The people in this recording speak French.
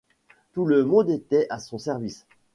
Tout le monde était à son service.